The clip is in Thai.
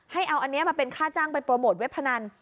ให้เอาอันนี้มาเป็นค่าจ้างไปโปรโมทเว็บพนัน